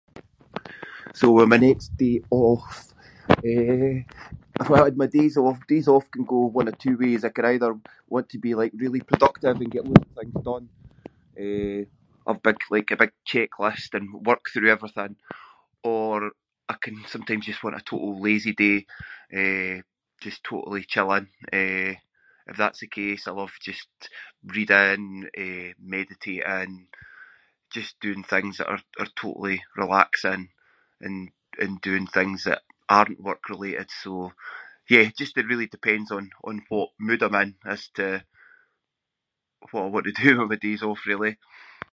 So with my next day off, eh- if I had my days off- days off can go one of two ways. I can either want to be like really productive and get loads of things done, eh, or big- like a big checklist and work through everything, or I can sometimes just want a total lazy day, eh, just totally chilling. Eh, if that’s the case, I love just reading, eh, meditating, just doing things that are- are totally relaxing and- and doing things that aren’t work-related. So yeah, just it really depends on- on what mood I’m in as to what I want to do with my days off, really.